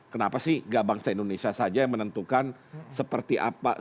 kenapa sih gak bangsa indonesia saja yang menentukan seperti apa